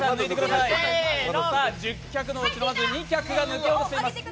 １０脚のうちの２脚が抜けようとしています。